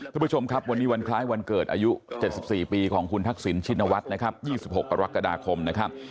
คุณผู้ชมครับวันนี้วันคล้ายวันเกิดอายุ๗๔ปีของคุณทักษิณชินวัฒน์นะครับ๒๖กรกฎาคมนะครับ